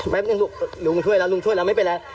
แป๊บนึงลูกลุงช่วยแล้วลุงช่วยแล้วไม่เป็นไร